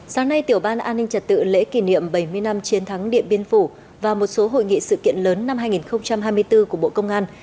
sáng nay tiểu ban an ninh trật tự lễ kỷ niệm bảy mươi năm chiến thắng điện biên phủ và một số hội nghị sự kiện lớn năm hai nghìn hai mươi bốn của bộ công an